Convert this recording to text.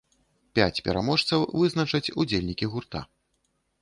Пяць пераможцаў вызначаць удзельнікі гурта.